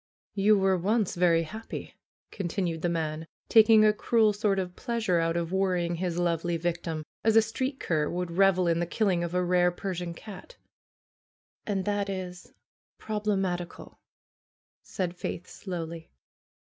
^'You were once very happy," continued the man, taking a cruel sort of pleasure out of worrying his lovely victim, as a street cur would revel in the killing of a rare Persian cat. "And that is problematical," said Faith slowly.